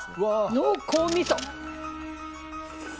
濃厚みそ！